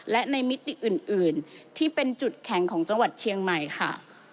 และในมิติอื่นที่เป็นจุดแข็งของจังหวัดเชียงใหม่ค่ะ